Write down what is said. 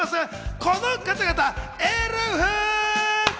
この方々、エルフ！